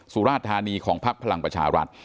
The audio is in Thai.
สุราธานีของพักพลังประชารัฐ